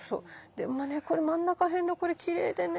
でもねこの真ん中辺のこれきれいでね。